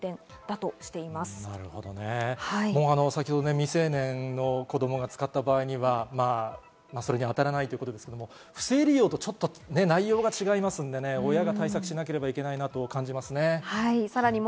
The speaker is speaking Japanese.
未成年の子供が使った場合にはそれに当たらないということですが、不正利用と違いますので、親が対策しなければならないなと感じますね。